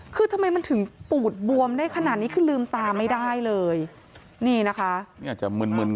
คือนิคงลืมตาไม่ได้เลยนี่นะคะอาจจะมืนมืน